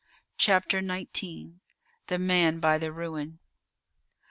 CHAPTER XIX THE MAN BY THE RUIN.